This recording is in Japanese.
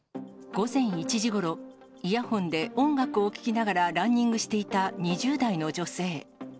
午前１時ごろ、イヤホンで音楽を聴きながら、ランニングしていた２０代の女性。